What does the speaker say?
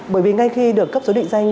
bởi vì ngay khi được cấp số định danh